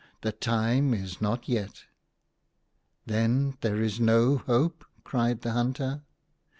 The time is not yet." "Then there is no hope.'*" cried the hunter.